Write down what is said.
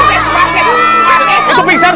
itu pinset dibantuin